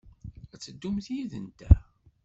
Ad teddumt yid-nteɣ?